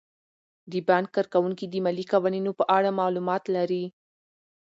د بانک کارکوونکي د مالي قوانینو په اړه معلومات لري.